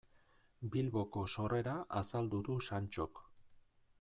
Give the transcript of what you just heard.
Bilboko sorrera azaldu du Santxok.